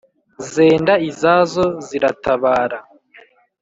zenda izazo ziratabara